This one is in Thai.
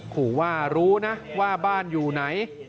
ขู่ว่ารู้นะว่าบ้านอยู่ไหน